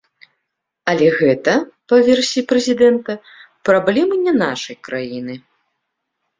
Але гэта, па версіі прэзідэнта, праблемы не нашай краіны.